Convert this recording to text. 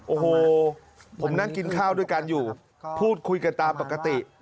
โอ้โหผมนั่งกินข้าวด้วยกันอยู่พูดคุยกันตามปกติ